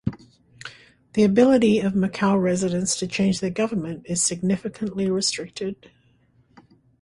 The ability of Macau residents to change their government is significantly restricted.